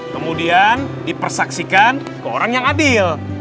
kemudian dipersaksikan ke orang yang adil